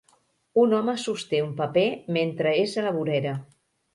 Un home sosté un paper mentre és a la vorera.